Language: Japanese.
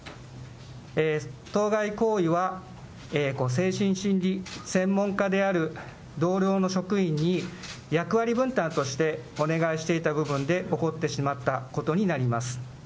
当該行為は、精神心理専門家である同僚の職員に役割分担としてお願いしていた部分で起こってしまったことになります。